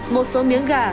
một số miếng gà